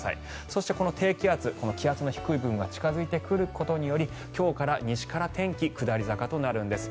そしてこの低気圧気圧の低い部分が近付いてくることにより今日から西から天気下り坂となるんです。